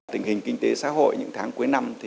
tình hình kinh tế xã hội những tháng cuối năm